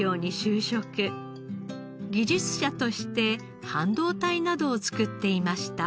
技術者として半導体などを作っていました。